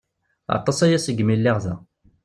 Aṭas-aya segmi lliɣ da.